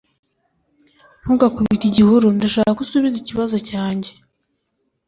ntugakubite igihuru ndashaka ko usubiza ikibazo cyanjye